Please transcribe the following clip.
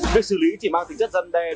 việc xử lý chỉ mang tính chất vấn đề